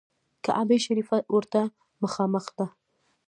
کعبه شریفه ورته مخامخ ده.